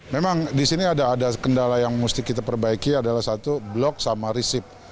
memang di sini ada kendala yang mesti kita perbaiki adalah satu blok sama risip